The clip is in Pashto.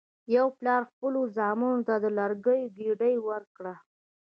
یو پلار خپلو زامنو ته د لرګیو ګېډۍ ورکړه.